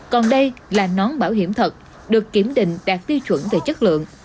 còn đây là nón bảo hiểm thật được kiểm định đạt tiêu chuẩn về chất lượng